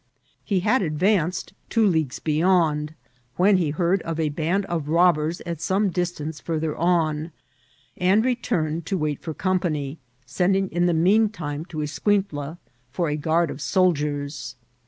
He had advanced two leagues beyond, when he heard of a band of robbers at some distance farther on, and returned to wait for company, sending, in the mean time, to Escuintla for a guard of soldiers.